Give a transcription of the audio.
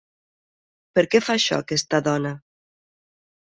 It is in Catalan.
Per què fa això aquesta dona?